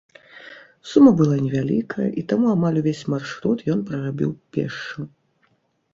Сума была невялікая, і таму амаль увесь маршрут ён прарабіў пешшу.